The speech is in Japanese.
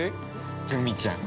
ルミちゃん。